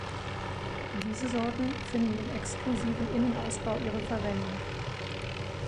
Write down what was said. Diese Sorten finden im exklusiven Innenausbau ihre Verwendung.